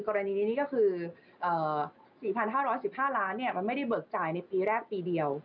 กรณีนี้ก็คือ๔๕๑๕ล้านมันไม่ได้เบิกจ่ายในปีแรกปีเดียว